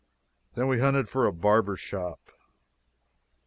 Then we hunted for a barber shop.